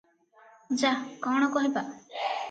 ଯା- କଣ କହିବା ।